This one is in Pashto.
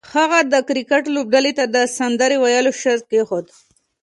هغه د کرکټ لوبډلې ته د سندرې ویلو شرط کېښود